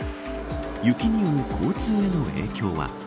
雪による交通への影響は。